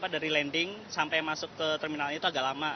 dari landing sampai masuk ke terminalnya itu agak lama